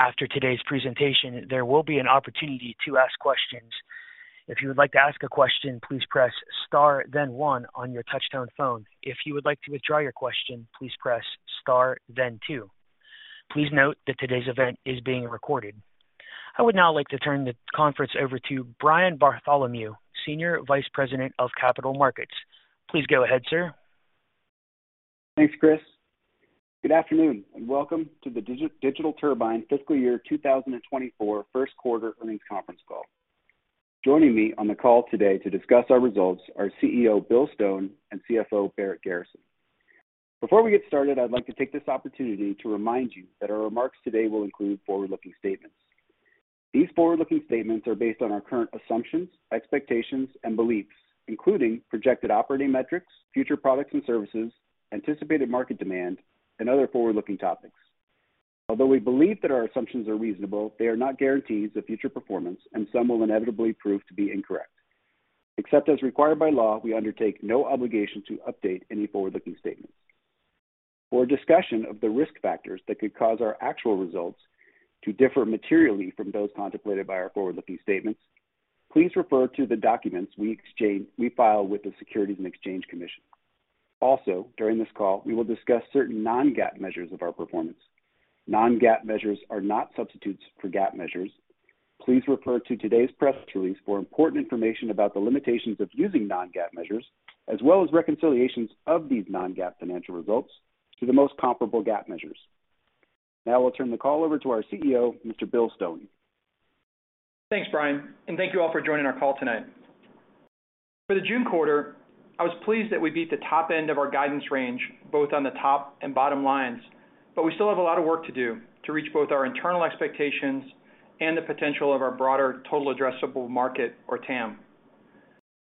After today's presentation, there will be an opportunity to ask questions. If you would like to ask a question, please press Star, then one on your touchtone phone. If you would like to withdraw your question, please press Star, then two. Please note that today's event is being recorded. I would now like to turn the conference over to Brian Bartholomew, Senior Vice President of Capital Markets. Please go ahead, sir. Thanks, Chris. Good afternoon, and welcome to the Digital Turbine Fiscal Year 2024 first quarter earnings conference call. Joining me on the call today to discuss our results are CEO, Bill Stone, and CFO, Barrett Garrison. Before we get started, I'd like to take this opportunity to remind you that our remarks today will include forward-looking statements. These forward-looking statements are based on our current assumptions, expectations, and beliefs, including projected operating metrics, future products and services, anticipated market demand, and other forward-looking topics. Although we believe that our assumptions are reasonable, they are not guarantees of future performance, and some will inevitably prove to be incorrect. Except as required by law, we undertake no obligation to update any forward-looking statements. For a discussion of the risk factors that could cause our actual results to differ materially from those contemplated by our forward-looking statements, please refer to the documents we file with the Securities and Exchange Commission. Also, during this call, we will discuss certain non-GAAP measures of our performance. Non-GAAP measures are not substitutes for GAAP measures. Please refer to today's press release for important information about the limitations of using non-GAAP measures, as well as reconciliations of these non-GAAP financial results to the most comparable GAAP measures. Now I'll turn the call over to our CEO, Mr. Bill Stone. Thanks, Brian. Thank you all for joining our call tonight. For the June quarter, I was pleased that we beat the top end of our guidance range, both on the top and bottom lines. We still have a lot of work to do to reach both our internal expectations and the potential of our broader total addressable market, or TAM.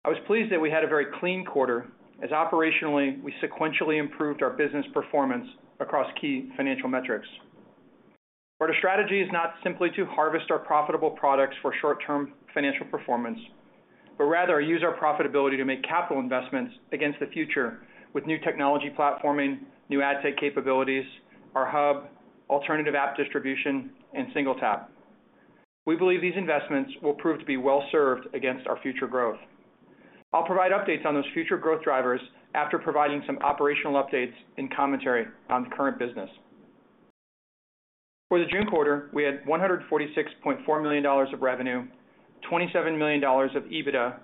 I was pleased that we had a very clean quarter, as operationally, we sequentially improved our business performance across key financial metrics. Part of strategy is not simply to harvest our profitable products for short-term financial performance, but rather use our profitability to make capital investments against the future with new technology platforming, new ad tech capabilities, our hub, alternative app distribution, and SingleTap. We believe these investments will prove to be well-served against our future growth. I'll provide updates on those future growth drivers after providing some operational updates and commentary on the current business. For the June quarter, we had $146.4 million of revenue, $27 million of EBITDA,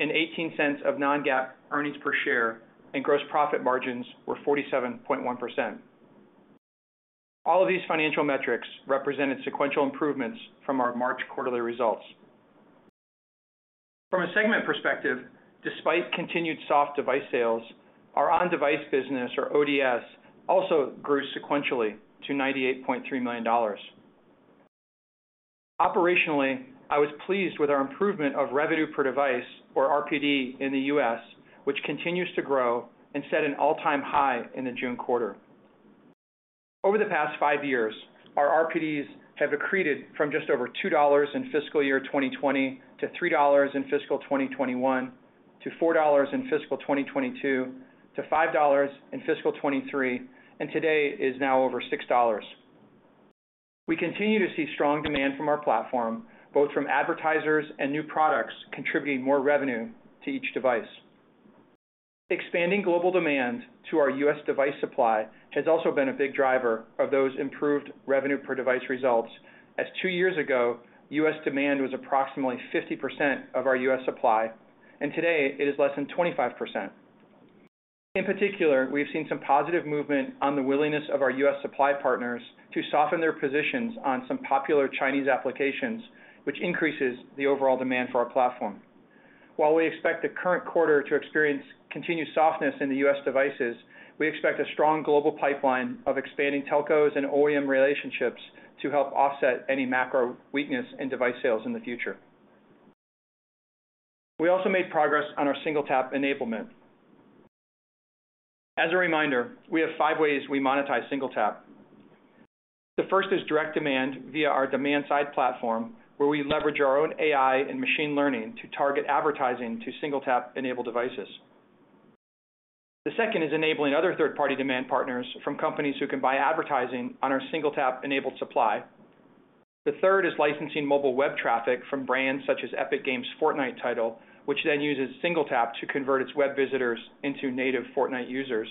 and $0.18 of non-GAAP earnings per share. Gross profit margins were 47.1%. All of these financial metrics represented sequential improvements from our March quarterly results. From a segment perspective, despite continued soft device sales, our on-device business, or ODS, also grew sequentially to $98.3 million. Operationally, I was pleased with our improvement of revenue per device, or RPD, in the U.S., which continues to grow and set an all-time high in the June quarter. Over the past five years, our RPDs have accreted from just over $2 in fiscal year 2020, to $3 in fiscal 2021, to $4 in fiscal 2022, to $5 in fiscal 2023, and today is now over $6. We continue to see strong demand from our platform, both from advertisers and new products, contributing more revenue to each device. Expanding global demand to our U.S. device supply has also been a big driver of those improved revenue per device results, as two years ago, U.S. demand was approximately 50% of our U.S. supply, and today it is less than 25%. In particular, we've seen some positive movement on the willingness of our U.S. supply partners to soften their positions on some popular Chinese applications, which increases the overall demand for our platform. While we expect the current quarter to experience continued softness in the U.S. devices, we expect a strong global pipeline of expanding telcos and OEM relationships to help offset any macro weakness in device sales in the future. We also made progress on our SingleTap enablement. As a reminder, we have five ways we monetize SingleTap. The first is direct demand via our demand-side platform, where we leverage our own AI and machine learning to target advertising to SingleTap-enabled devices. The second is enabling other third-party demand partners from companies who can buy advertising on our SingleTap-enabled supply. The third is licensing mobile web traffic from brands such as Epic Games' Fortnite title, which then uses SingleTap to convert its web visitors into native Fortnite users.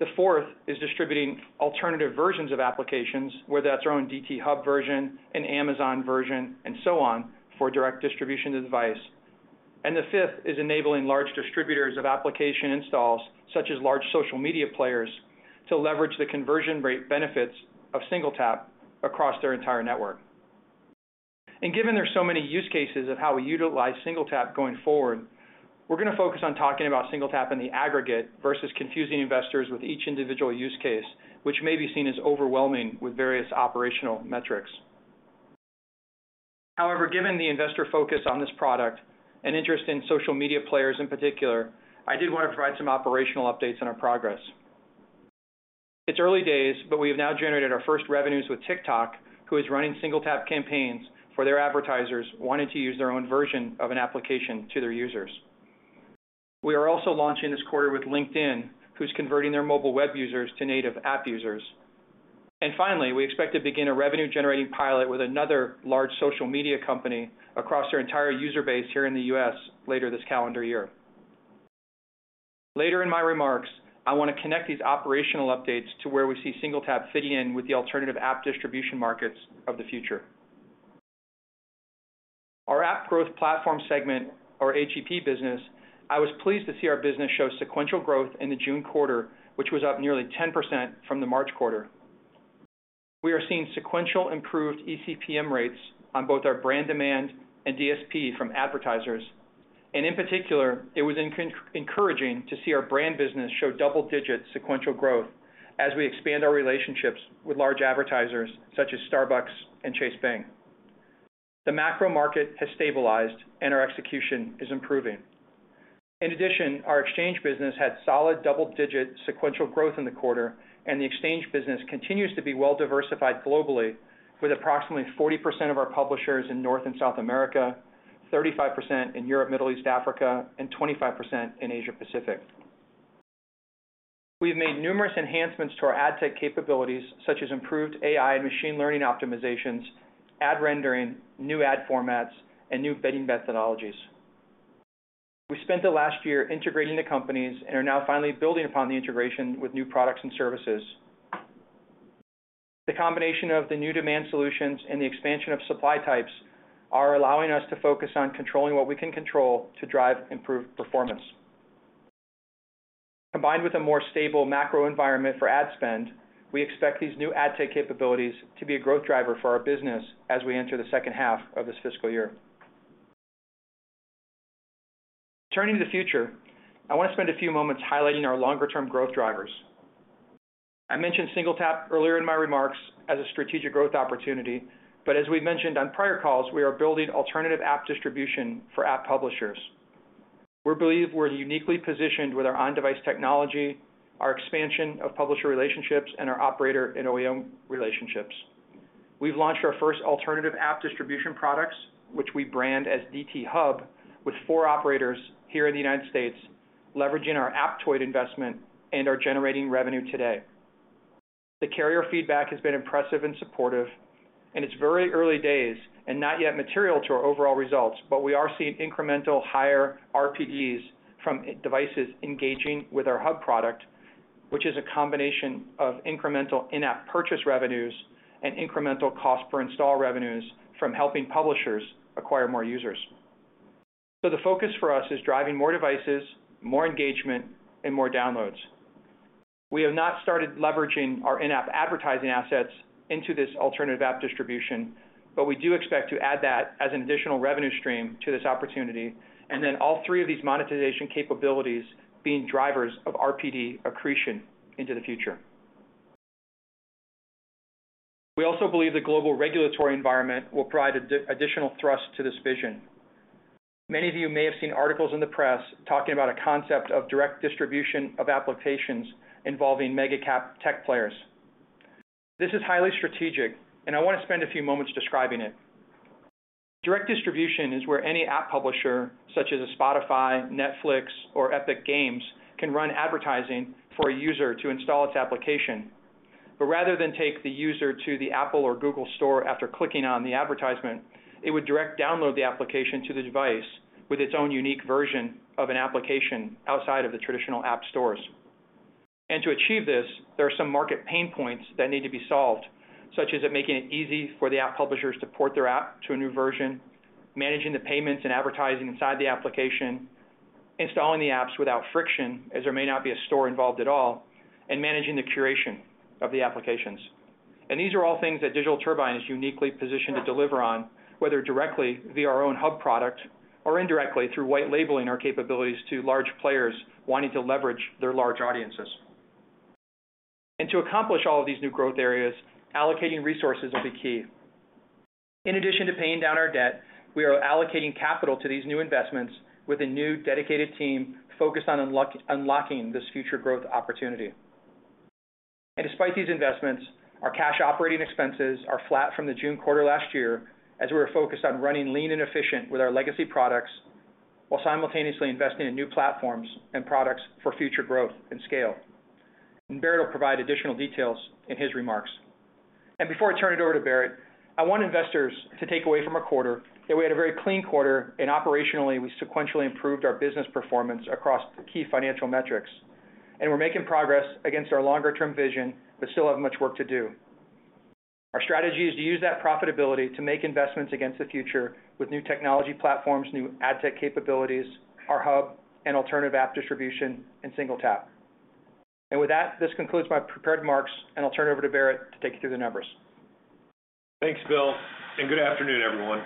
The fourth is distributing alternative versions of applications, whether that's our own DT Hub version, an Amazon version, and so on, for direct distribution to the device. The fifth is enabling large distributors of application installs, such as large social media players, to leverage the conversion rate benefits of SingleTap across their entire network. Given there are so many use cases of how we utilize SingleTap going forward, we're gonna focus on talking about SingleTap in the aggregate versus confusing investors with each individual use case, which may be seen as overwhelming with various operational metrics. However, given the investor focus on this product and interest in social media players in particular, I did want to provide some operational updates on our progress. It's early days, but we have now generated our first revenues with TikTok, who is running SingleTap campaigns for their advertisers, wanting to use their own version of an application to their users. We are also launching this quarter with LinkedIn, who's converting their mobile web users to native app users. Finally, we expect to begin a revenue-generating pilot with another large social media company across their entire user base here in the US later this calendar year. Later in my remarks, I want to connect these operational updates to where we see SingleTap fitting in with the alternative app distribution markets of the future. Our App Growth Platform segment, our AGP business, I was pleased to see our business show sequential growth in the June quarter, which was up nearly 10% from the March quarter. We are seeing sequential improved ECPM rates on both our brand demand and DSP from advertisers. In particular, it was encouraging to see our brand business show double-digit sequential growth as we expand our relationships with large advertisers such as Starbucks and Chase Bank. The macro market has stabilized and our execution is improving. In addition, our exchange business had solid double-digit sequential growth in the quarter. The exchange business continues to be well diversified globally, with approximately 40% of our publishers in North and South America, 35% in Europe, Middle East, Africa, and 25% in Asia Pacific. We've made numerous enhancements to our ad tech capabilities, such as improved AI and machine learning optimizations, ad rendering, new ad formats, and new vetting methodologies. We spent the last year integrating the companies and are now finally building upon the integration with new products and services. The combination of the new demand solutions and the expansion of supply types are allowing us to focus on controlling what we can control to drive improved performance. Combined with a more stable macro environment for ad spend, we expect these new ad tech capabilities to be a growth driver for our business as we enter the second half of this fiscal year. Turning to the future, I want to spend a few moments highlighting our longer-term growth drivers. I mentioned SingleTap earlier in my remarks as a strategic growth opportunity, but as we've mentioned on prior calls, we are building alternative app distribution for app publishers. We believe we're uniquely positioned with our on-device technology, our expansion of publisher relationships, and our operator and OEM relationships. We've launched our first alternative app distribution products, which we brand as DT Hub, with four operators here in the United States, leveraging our Aptoide investment and are generating revenue today. The carrier feedback has been impressive and supportive, and it's very early days and not yet material to our overall results, but we are seeing incremental higher RPDs from devices engaging with our hub product, which is a combination of incremental in-app purchase revenues and incremental cost per install revenues from helping publishers acquire more users. The focus for us is driving more devices, more engagement, and more downloads. We have not started leveraging our in-app advertising assets into this alternative app distribution, but we do expect to add that as an additional revenue stream to this opportunity, and then all three of these monetization capabilities being drivers of RPD accretion into the future. We also believe the global regulatory environment will provide additional thrust to this vision. Many of you may have seen articles in the press talking about a concept of direct distribution of applications involving mega cap tech players. This is highly strategic, and I want to spend a few moments describing it. Direct distribution is where any app publisher, such as a Spotify, Netflix, or Epic Games, can run advertising for a user to install its application. Rather than take the user to the Apple or Google Store after clicking on the advertisement, it would direct download the application to the device with its own unique version of an application outside of the traditional app stores. To achieve this, there are some market pain points that need to be solved, such as making it easy for the app publishers to port their app to a new version, managing the payments and advertising inside the application, installing the apps without friction, as there may not be a store involved at all, and managing the curation of the applications. These are all things that Digital Turbine is uniquely positioned to deliver on, whether directly via our own Hub product or indirectly through white labeling our capabilities to large players wanting to leverage their large audiences. To accomplish all of these new growth areas, allocating resources will be key. In addition to paying down our debt, we are allocating capital to these new investments with a new dedicated team focused on unlocking this future growth opportunity. Despite these investments, our cash operating expenses are flat from the June quarter last year, as we were focused on running lean and efficient with our legacy products, while simultaneously investing in new platforms and products for future growth and scale. Barrett will provide additional details in his remarks. Before I turn it over to Barrett, I want investors to take away from our quarter that we had a very clean quarter, and operationally, we sequentially improved our business performance across the key financial metrics. We're making progress against our longer-term vision, but still have much work to do. Our strategy is to use that profitability to make investments against the future with new technology platforms, new ad tech capabilities, our hub and alternative app distribution, and SingleTap. With that, this concludes my prepared remarks, and I'll turn it over to Barrett to take you through the numbers. Thanks, Bill. Good afternoon, everyone.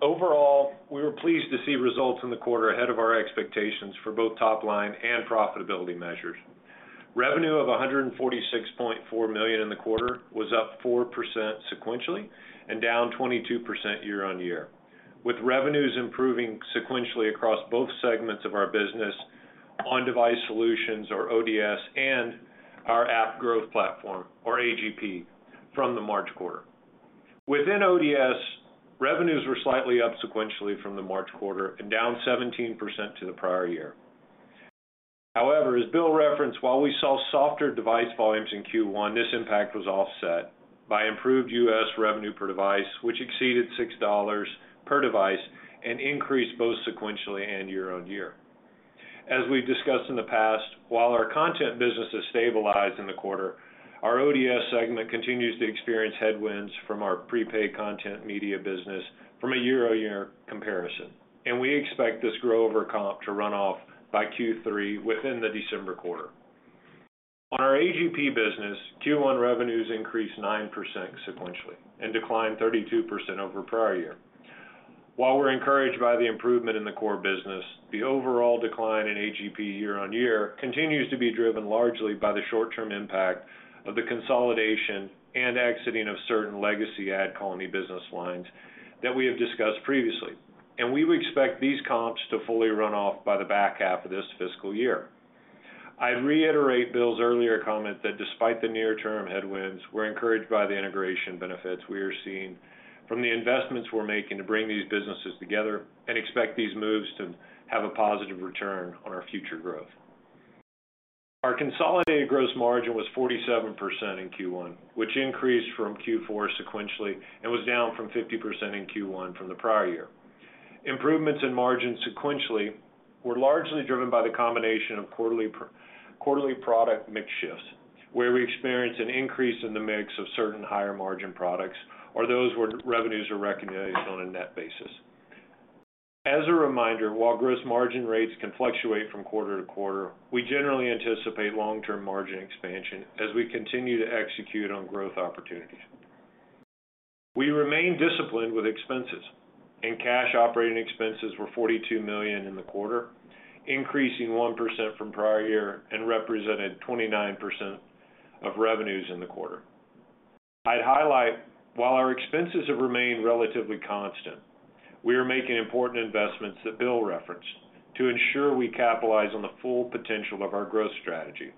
Overall, we were pleased to see results in the quarter ahead of our expectations for both top line and profitability measures. Revenue of $146.4 million in the quarter was up 4% sequentially and down 22% year-on-year, with revenues improving sequentially across both segments of our business, On-Device Solutions, or ODS, and our App Growth Platform, or AGP, from the March quarter. Within ODS, revenues were slightly up sequentially from the March quarter and down 17% to the prior year. However, as Bill referenced, while we saw softer device volumes in Q1, this impact was offset by improved U.S. revenue per device, which exceeded $6 per device and increased both sequentially and year-on-year. As we've discussed in the past, while our content business has stabilized in the quarter, our ODS segment continues to experience headwinds from our prepaid content media business from a year-on-year comparison. We expect this grow over comp to run off by Q3 within the December quarter. On our AGP business, Q1 revenues increased 9% sequentially and declined 32% over prior year. While we're encouraged by the improvement in the core business, the overall decline in AGP year-on-year continues to be driven largely by the short-term impact of the consolidation and exiting of certain legacy AdColony business lines that we have discussed previously. We would expect these comps to fully run off by the back half of this fiscal year. I'd reiterate Bill's earlier comment that despite the near-term headwinds, we're encouraged by the integration benefits we are seeing from the investments we're making to bring these businesses together, and expect these moves to have a positive return on our future growth. Our consolidated gross margin was 47% in Q1, which increased from Q4 sequentially and was down from 50% in Q1 from the prior year. Improvements in margins sequentially were largely driven by the combination of quarterly quarterly product mix shifts, where we experienced an increase in the mix of certain higher margin products or those where revenues are recognized on a net basis. As a reminder, while gross margin rates can fluctuate from quarter to quarter, we generally anticipate long-term margin expansion as we continue to execute on growth opportunities. We remain disciplined with expenses. Cash operating expenses were $42 million in the quarter, increasing 1% from prior year and represented 29% of revenues in the quarter. I'd highlight, while our expenses have remained relatively constant, we are making important investments that Bill referenced to ensure we capitalize on the full potential of our growth strategy.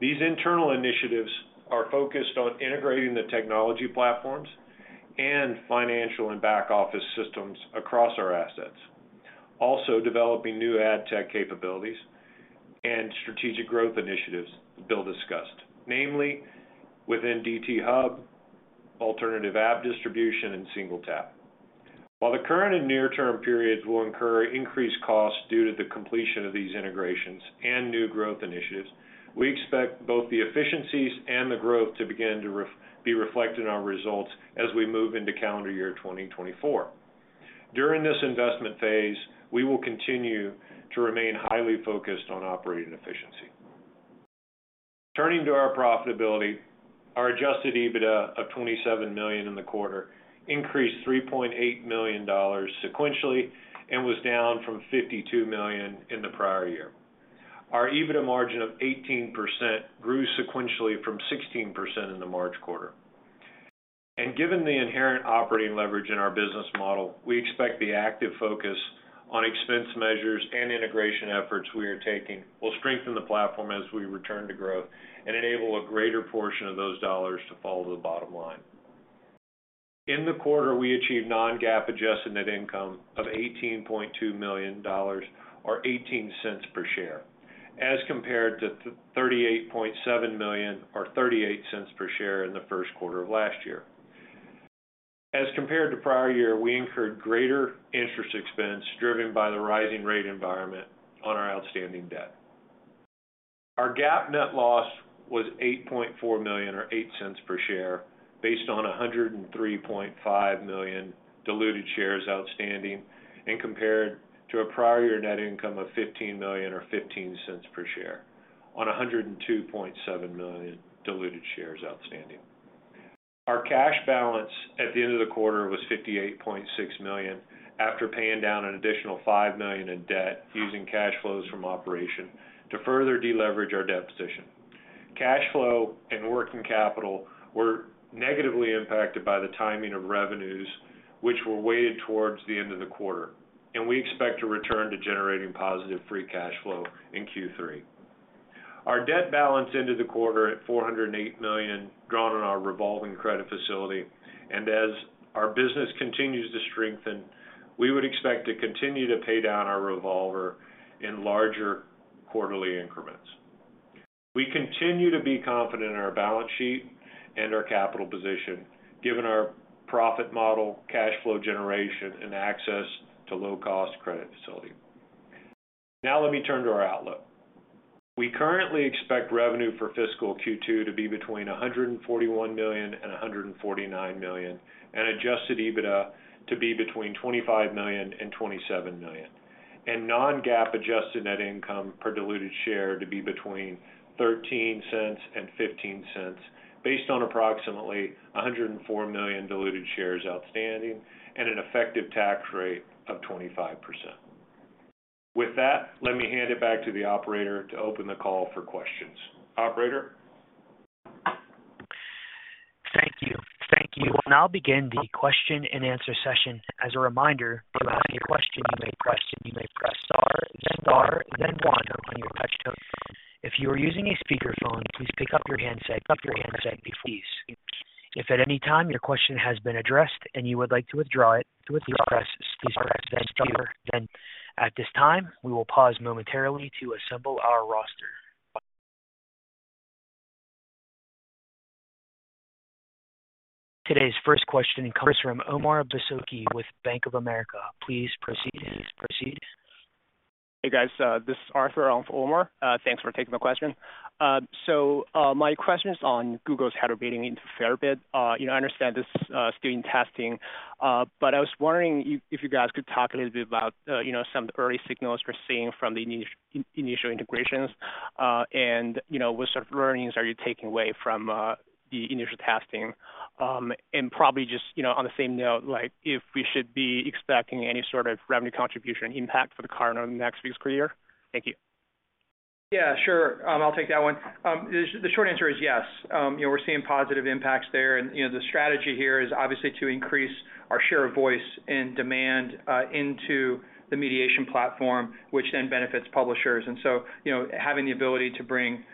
These internal initiatives are focused on integrating the technology platforms and financial and back-office systems across our assets. Developing new ad tech capabilities and strategic growth initiatives Bill discussed, namely within DT Hub, alternative app distribution, and SingleTap. While the current and near-term periods will incur increased costs due to the completion of these integrations and new growth initiatives, we expect both the efficiencies and the growth to begin to be reflected in our results as we move into calendar year 2024. During this investment phase, we will continue to remain highly focused on operating efficiency. Turning to our profitability, our adjusted EBITDA of $27 million in the quarter increased $3.8 million sequentially and was down from $52 million in the prior year. Our EBITDA margin of 18% grew sequentially from 16% in the March quarter. Given the inherent operating leverage in our business model, we expect the active focus on expense measures and integration efforts we are taking will strengthen the platform as we return to growth and enable a greater portion of those dollars to fall to the bottom line. In the quarter, we achieved non-GAAP adjusted net income of $18.2 million, or $0.18 per share, as compared to $38.7 million, or $0.38 per share in the first quarter of last year. Compared to prior year, we incurred greater interest expense, driven by the rising rate environment on our outstanding debt. Our GAAP net loss was $8.4 million or $0.08 per share, based on 103.5 million diluted shares outstanding, compared to a prior year net income of $15 million or $0.15 per share on 102.7 million diluted shares outstanding. Our cash balance at the end of the quarter was $58.6 million, after paying down an additional $5 million in debt using cash flows from operation to further deleverage our debt position. Cash flow and working capital were negatively impacted by the timing of revenues, which were weighted towards the end of the quarter, we expect to return to generating positive free cash flow in Q3. Our debt balance ended the quarter at $408 million, drawn on our revolving credit facility. As our business continues to strengthen, we would expect to continue to pay down our revolver in larger quarterly increments. We continue to be confident in our balance sheet and our capital position, given our profit model, cash flow generation, and access to low-cost credit facility. Let me turn to our outlook. We currently expect revenue for fiscal Q2 to be between $141 million and $149 million, and adjusted EBITDA to be between $25 million and $27 million, and non-GAAP adjusted net income per diluted share to be between $0.13 and $0.15, based on approximately 104 million diluted shares outstanding and an effective tax rate of 25%. With that, let me hand it back to the operator to open the call for questions. Operator? Thank you. Thank you. We'll now begin the question-and-answer session. As a reminder, for your question, you may press star then one on your touch tone. If you are using a speakerphone, please pick up your handset before please. If at any time your question has been addressed and you would like to withdraw it, please press star then two. At this time, we will pause momentarily to assemble our roster. Today's first question comes from Omar Dessouky with Bank of America. Please proceed. Hey, guys. This is Arthur in for Omar. Thanks for taking the question. My question is on Google's header bidding into FairBid. You know, I understand this is still in testing, but I was wondering if you guys could talk a little bit about, you know, some of the early signals we're seeing from the initial integrations. You know, what sort of learnings are you taking away from the initial testing? Probably just, you know, on the same note, like if we should be expecting any sort of revenue contribution impact for the current or next fiscal year. Thank you. Yeah, sure. I'll take that one. The, the short answer is yes. You know, we're seeing positive impacts there, and, you know, the strategy here is obviously to increase our share of voice and demand into the mediation platform, which then benefits publishers. You know, having the ability to bring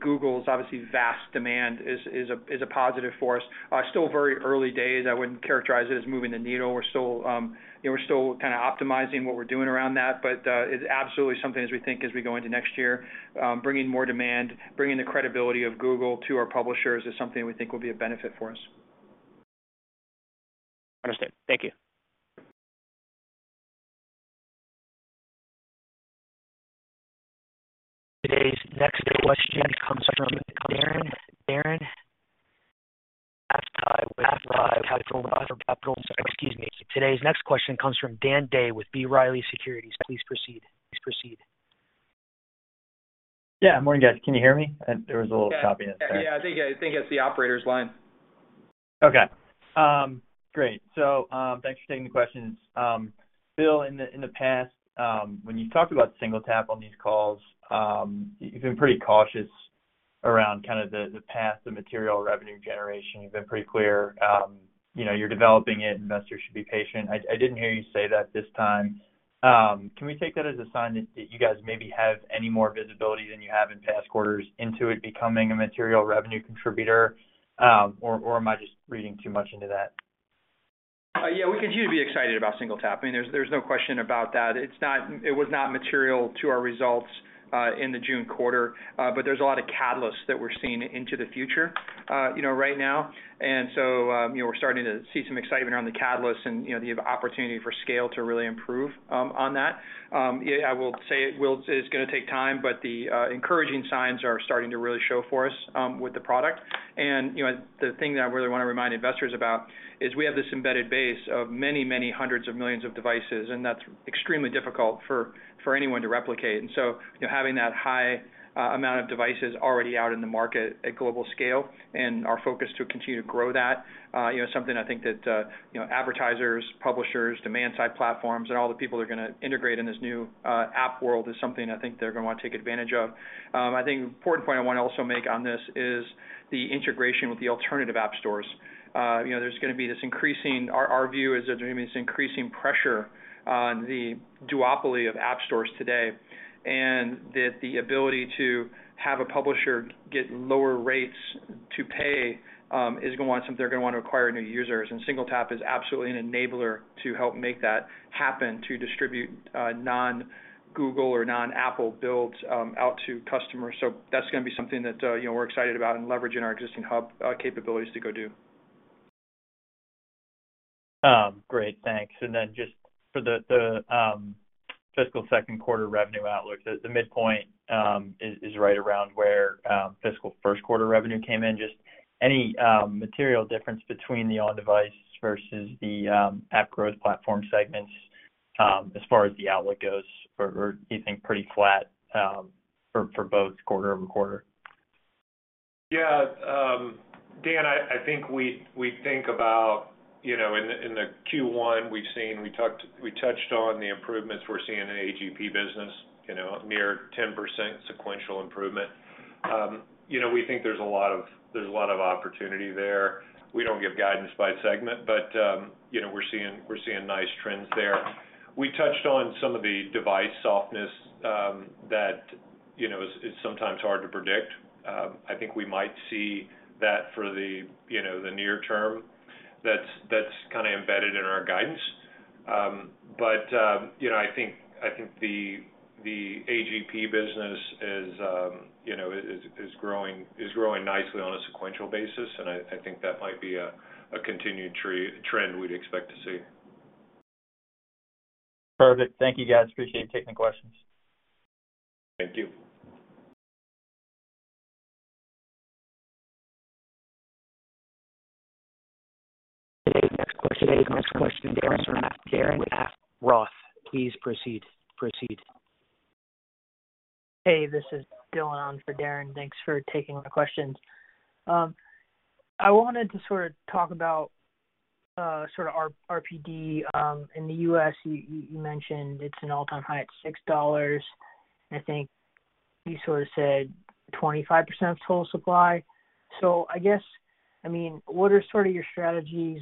Google's obviously vast demand is, is a, is a positive for us. Still very early days. I wouldn't characterize it as moving the needle. We're still, you know, we're still kind of optimizing what we're doing around that, but it's absolutely something as we think as we go into next year, bringing more demand, bringing the credibility of Google to our publishers is something we think will be a benefit for us. Understood. Thank you. Today's next question comes from Darren, Darren Aftahi. Excuse me. Today's next question comes from Daniel Day with B. Riley Securities. Please proceed. Please proceed. Yeah, morning, guys. Can you hear me? There was a little choppiness there. Yeah, I think, I think it's the operator's line. Okay. great. Thanks for taking the questions. Bill, in the, in the past, when you talked about SingleTap on these calls, you've been pretty cautious around kind of the, the path to material revenue generation. You've been pretty clear, you know, you're developing it, investors should be patient. I, I didn't hear you say that this time. Can we take that as a sign that, that you guys maybe have any more visibility than you have in past quarters into it becoming a material revenue contributor? Or, or am I just reading too much into that? Yeah, we continue to be excited about SingleTap. I mean, there's, there's no question about that. It's not-- It was not material to our results in the June quarter, but there's a lot of catalysts that we're seeing into the future, you know, right now. So, you know, we're starting to see some excitement around the catalysts and, you know, the opportunity for scale to really improve on that. Yeah, I will say it will-- it's gonna take time, but the encouraging signs are starting to really show for us with the product. You know, the thing that I really want to remind investors about is we have this embedded base of many, many hundreds of millions of devices, and that's extremely difficult for, for anyone to replicate. So, you know, having that high amount of devices already out in the market at global scale and our focus to continue to grow that, you know, something I think that, you know, advertisers, publishers, demand-side platforms, and all the people are gonna integrate in this new app world is something I think they're gonna want to take advantage of. I think an important point I want to also make on this is the integration with the alternative app stores. You know, Our, our view is that there's gonna be this increasing pressure on the duopoly of app stores today, and that the ability to have a publisher get lower rates to pay, is gonna want something they're gonna want to acquire new users. SingleTap is absolutely an enabler to help make that happen, to distribute, non-Google or non-Apple builds, out to customers. That's gonna be something that, you know, we're excited about and leveraging our existing hub capabilities to go do. Great, thanks. Just for the fiscal second quarter revenue outlook, the midpoint is right around where fiscal first quarter revenue came in. Just any material difference between the On-Device versus the App Growth Platform segments as far as the outlook goes, or do you think pretty flat for both quarter-over-quarter? Yeah. Dan, I, I think we, we think about, you know, in the, in the Q1, we've seen, we touched on the improvements we're seeing in the AGP business, you know, near 10% sequential improvement. You know, we think there's a lot of, there's a lot of opportunity there. We don't give guidance by segment. You know, we're seeing, we're seeing nice trends there. We touched on some of the device softness that, you know, is, is sometimes hard to predict. I think we might see that for the, you know, the near term that's, that's kind of embedded in our guidance. You know, I think, I think the, the AGP business is, you know, is, is growing, is growing nicely on a sequential basis, and I, I think that might be a, a continued trend we'd expect to see. Perfect. Thank you, guys. Appreciate you taking the questions. Thank you. Today's next question comes from Darren Aftahi. Darren Aftahi, please proceed. Proceed. Hey, this is Dylan on for Darren. Thanks for taking the questions. I wanted to sort of talk about RPD in the U.S. You mentioned it's an all-time high at $6. I think you sort of said 25% of total supply. I guess, I mean, what are sort of your strategies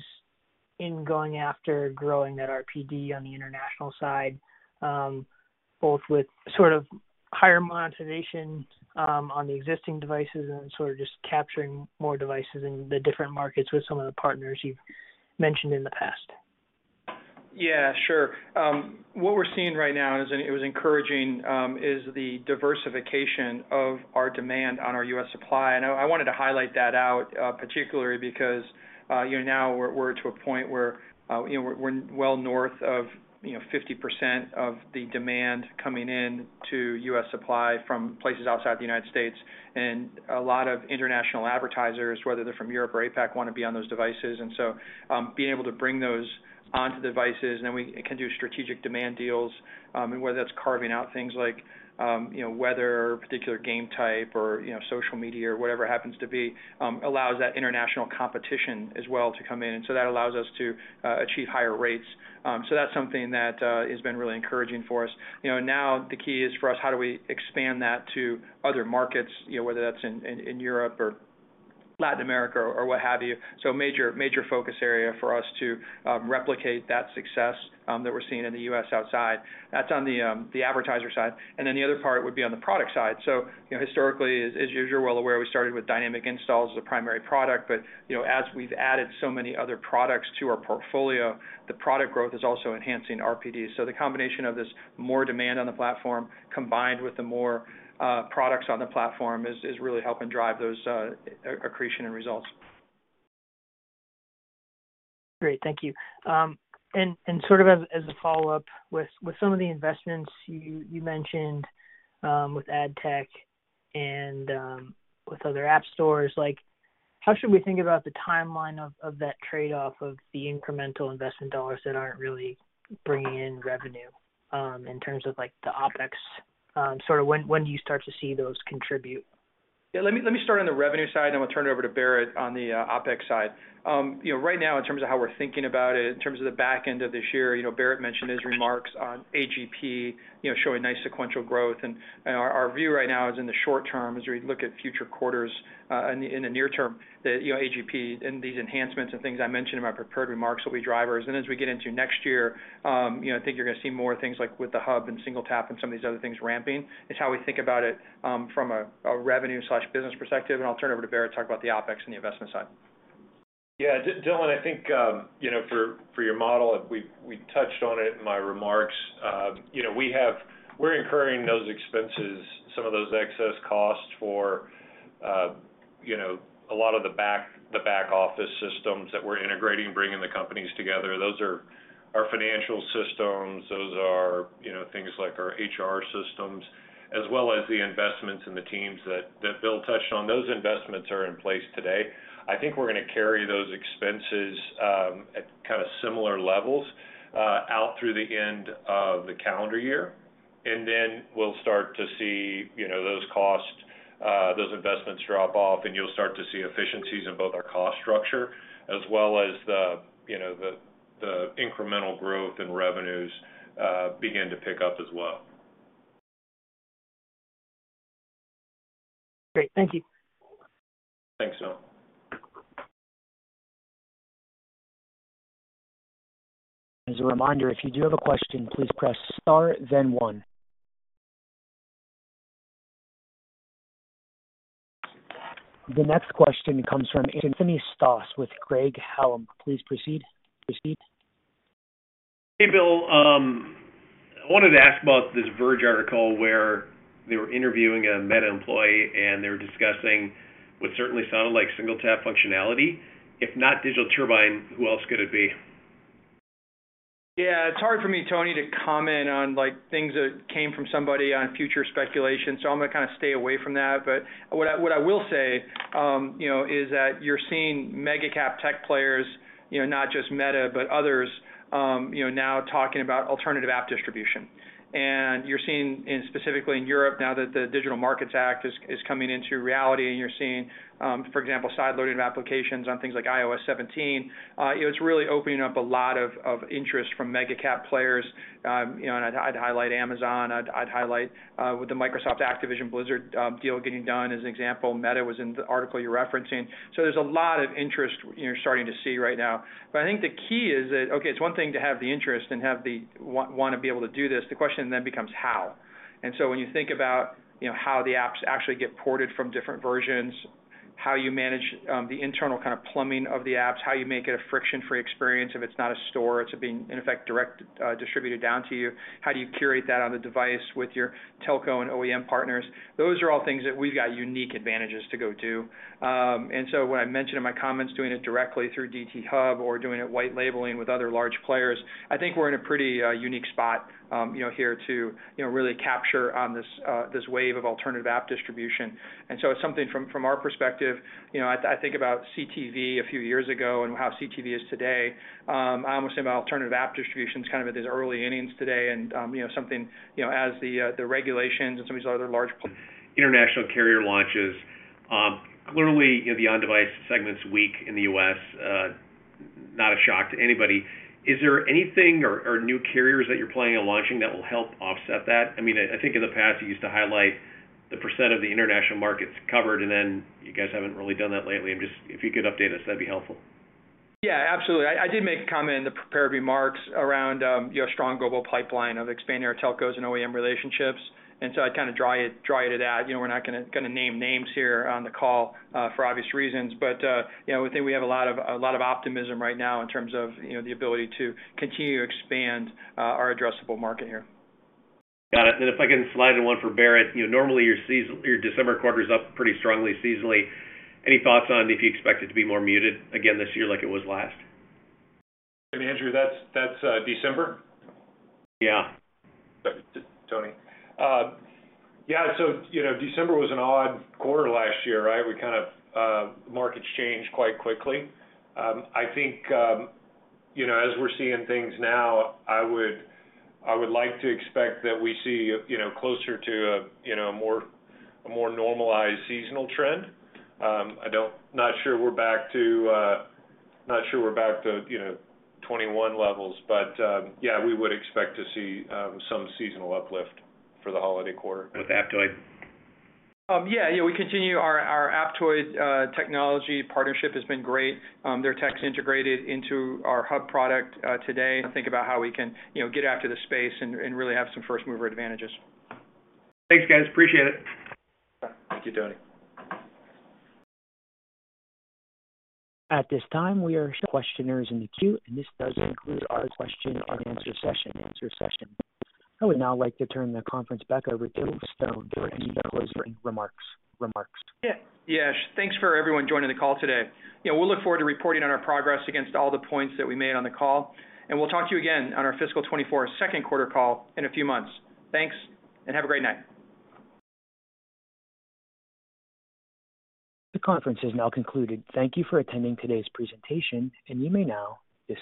in going after growing that RPD on the international side, both with sort of higher monetization on the existing devices and sort of just capturing more devices in the different markets with some of the partners you've mentioned in the past? Yeah, sure. What we're seeing right now is, and it was encouraging, is the diversification of our demand on our U.S. supply. I, I wanted to highlight that out, particularly because, you know, now we're, we're to a point where, you know, we're, we're well north of, you know, 50% of the demand coming in to U.S. supply from places outside the United States. A lot of international advertisers, whether they're from Europe or APAC, want to be on those devices. Being able to bring those onto devices, and then we can do strategic demand deals, and whether that's carving out things like, you know, weather, particular game type or, you know, social media or whatever it happens to be, allows that international competition as well to come in. That allows us to achieve higher rates. That's something that has been really encouraging for us. You know, now the key is for us, how do we expand that to other markets, you know, whether that's in, in, in Europe or Latin America or what have you. Major, major focus area for us to replicate that success that we're seeing in the US outside. That's on the advertiser side, and then the other part would be on the product side. You know, historically, as, as you're well aware, we started with Dynamic Installs as a primary product, but, you know, as we've added so many other products to our portfolio, the product growth is also enhancing RPD. The combination of this more demand on the platform, combined with the more, products on the platform is really helping drive those, accretion and results. Great. Thank you. Sort of as, as a follow-up, with, with some of the investments you, you mentioned, with ad tech and, with other app stores, like, how should we think about the timeline of, of that trade-off of the incremental investment dollars that aren't really bringing in revenue, in terms of, like, the OpEx? Sort of when, when do you start to see those contribute? Yeah, let me, let me start on the revenue side, and I'll turn it over to Barrett on the OpEx side. You know, right now, in terms of how we're thinking about it, in terms of the back end of this year, you know, Barrett mentioned his remarks on AGP, you know, showing nice sequential growth. Our, our view right now is in the short term, as we look at future quarters, in the, in the near term, that, you know, AGP and these enhancements and things I mentioned in my prepared remarks will be drivers. As we get into next year, you know, I think you're gonna see more things like with the Hub and SingleTap and some of these other things ramping. It's how we think about it, from a, a revenue/business perspective, and I'll turn it over to Barrett to talk about the OpEx and the investment side. Yeah, Dylan, I think, you know, for, for your model, we, we touched on it in my remarks. You know, we're incurring those expenses, some of those excess costs for, you know, a lot of the back office systems that we're integrating, bringing the companies together. Those are our financial systems, those are, you know, things like our HR systems, as well as the investments in the teams that, that Bill touched on. Those investments are in place today. I think we're gonna carry those expenses, at kind of similar levels, out through the end of the calendar year, and then we'll start to see, you know, those costs, those investments drop off, and you'll start to see efficiencies in both our cost structure as well as the, you know, the, the incremental growth in revenues, begin to pick up as well. Great. Thank you. Thanks, Dylan. As a reminder, if you do have a question, please press star then one. The next question comes from Anthony Stoss with Craig-Hallum. Please proceed. Hey, Bill. I wanted to ask about this Verge article where they were interviewing a Meta employee, and they were discussing what certainly sounded like SingleTap functionality. If not Digital Turbine, who else could it be? Yeah, it's hard for me, Tony, to comment on, like, things that came from somebody on future speculation, so I'm gonna kind of stay away from that. What I, what I will say, you know, is that you're seeing mega cap tech players, you know, not just Meta, but others, you know, now talking about alternative app distribution. You're seeing in, specifically in Europe, now that the Digital Markets Act is, is coming into reality, and you're seeing, for example, sideloading of applications on things like iOS 17, it's really opening up a lot of, of interest from mega cap players. You know, I'd, I'd highlight Amazon. I'd, I'd highlight with the Microsoft Activision Blizzard deal getting done as an example. Meta was in the article you're referencing. There's a lot of interest you're starting to see right now. I think the key is that, okay, it's one thing to have the interest and have the want to be able to do this. The question then becomes how? When you think about, you know, how the apps actually get ported from different versions, how you manage the internal kind of plumbing of the apps, how you make it a friction-free experience, if it's not a store, it's being, in effect, direct distributed down to you. How do you curate that on the device with your telco and OEM partners? Those are all things that we've got unique advantages to go do. What I mentioned in my comments, doing it directly through DT Hub or doing it white labeling with other large players, I think we're in a pretty unique spot, you know, here to, you know, really capture on this wave of alternative app distribution. It's something from, from our perspective, you know, I, I think about CTV a few years ago and how CTV is today. I almost say about alternative app distribution is kind of in its early innings today and, you know, something, you know, as the regulations and some of these other large- International carrier launches. Clearly, the On-Device segment's weak in the U.S., not a shock to anybody. Is there anything or, or new carriers that you're planning on launching that will help offset that? I mean, I, I think in the past, you used to highlight the % of the international markets covered, and then you guys haven't really done that lately. I'm just, if you could update us, that'd be helpful. Yeah, absolutely. I, I did make a comment in the prepared remarks around your strong global pipeline of expanding our telcos and OEM relationships. So I'd kind of draw it, draw it at that. You know, we're not gonna, gonna name names here on the call for obvious reasons, but, you know, I think we have a lot of, a lot of optimism right now in terms of, you know, the ability to continue to expand our addressable market here. Got it. If I can slide in one for Barrett. You know, normally, your season- your December quarter is up pretty strongly seasonally. Any thoughts on if you expect it to be more muted again this year like it was last? Andrew, that's, that's, December? Yeah. Tony, yeah, you know, December was an odd quarter last year, right? We kind of, markets changed quite quickly. I think, you know, as we're seeing things now, I would, I would like to expect that we see, you know, closer to a, you know, a more, a more normalized seasonal trend. I don't-- not sure we're back to, not sure we're back to, you know, 21 levels, but, yeah, we would expect to see, some seasonal uplift for the holiday quarter. With Aptoide? Yeah, yeah, we continue our, our Aptoide technology partnership has been great. Their tech's integrated into our hub product today, and think about how we can, you know, get after the space and, and really have some first mover advantages. Thanks, guys. Appreciate it. Thank you, Tony. At this time, we ask questioners in the queue, and this does conclude our question-and-answer session. I would now like to turn the conference back over to Stone for any closing remarks. Yeah. Yes, Thanks for everyone joining the call today. You know, we'll look forward to reporting on our progress against all the points that we made on the call. We'll talk to you again on our fiscal 2024 second quarter call in a few months. Thanks. Have a great night. The conference is now concluded. Thank you for attending today's presentation, and you may now disconnect.